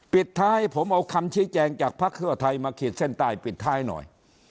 ปิดท้ายผมเอาคำชี้แจงจากภักดิ์เพื่อไทยมาขีดเส้นใต้ปิดท้ายหน่อย